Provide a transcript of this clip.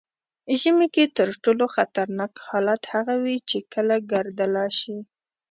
ژمي کې تر ټولو خطرناک حالت هغه وي چې کله ګردله شي.